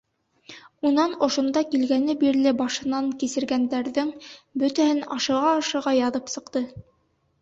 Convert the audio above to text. Унан ошонда килгәне бирле башынан кисергәндәрҙең бөтәһен ашыға-ашыға яҙып сыҡты.